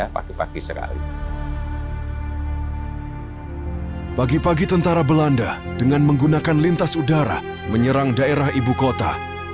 pagi pagi sekali pagi pagi tentara belanda dengan menggunakan lintas udara menyerang daerah ibu kota